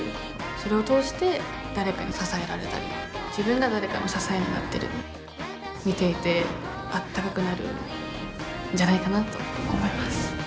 それを通して誰かに支えられたり自分が誰かの支えになったり見ていてあったかくなるんじゃないかなと思います。